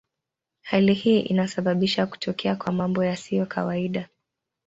Hali hii inasababisha kutokea kwa mambo yasiyo kawaida.